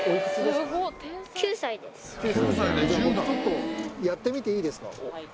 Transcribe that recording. ちょっとやってみていいですか？